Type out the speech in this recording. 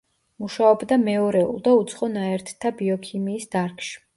მუშაობდა მეორეულ და უცხო ნაერთთა ბიოქიმიის დარგში.